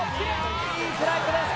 いいフライトです。